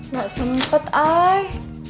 gak sempet ai